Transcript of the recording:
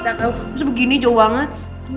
terus begini jauh banget